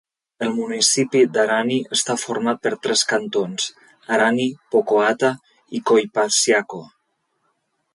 El municipi d'Arani està format per tres cantons: Arani, Pocoata i Collpaciaco.